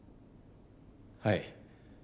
はい。